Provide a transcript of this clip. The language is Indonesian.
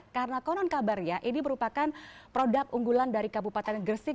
karena konon kabarnya ini merupakan produk unggulan dari kabupaten gresik